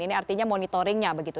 ini artinya monitoringnya begitu